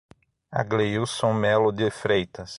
Agleilson Melo de Freitas